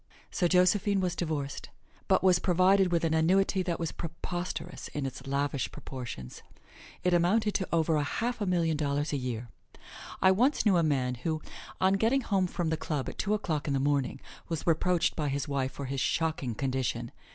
So Josephine was divorced, but was provided with an annuity that was preposterous in its lavish proportions. It amounted to over half a million dollars a year. I once knew a man who, on getting home from the club at two o'clock in the morning, was reproached by his wife for his shocking condition.